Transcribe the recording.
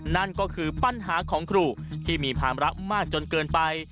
นั่นก็คือปัญหาของครูที่มีภาระมากจนเกินไป